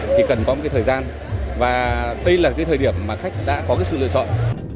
thì cần có một cái thời gian và đây là cái thời điểm mà khách đã có cái sự lựa chọn